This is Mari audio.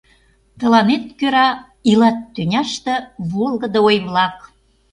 Тыланет кӧра илат тӱняште волгыдо ой-влак.